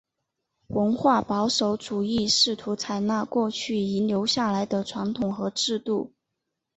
文化保守主义试图采纳过去遗留下来的传统和制度。